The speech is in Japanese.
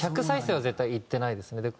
１００再生は絶対いってないですね。